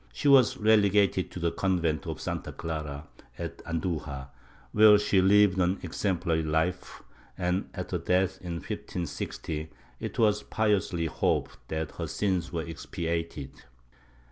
She was relegated to the convent of Santa Clara, at Andujar, where she lived an exemplary life and, at her death, in 1560, it was piously hoped that her sins were expiated.